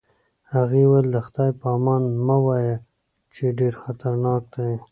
هغې وویل: د خدای په امان مه وایه، چې ډېر خطرناک دی.